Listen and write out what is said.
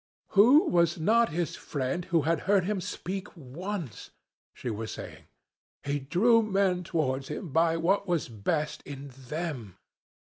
"'... Who was not his friend who had heard him speak once?' she was saying. 'He drew men towards him by what was best in them.'